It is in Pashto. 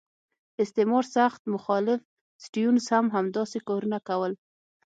استعمار سخت مخالف سټیونز هم همداسې کارونه کول.